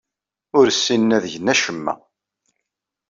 Ur ssinen ad gen acemma.